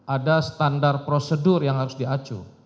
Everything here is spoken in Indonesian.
ada standar prosedur yang harus diacu